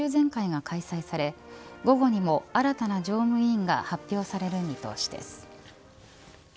１中全会が開催され午後にも新たな常務委員が発表される見通しです。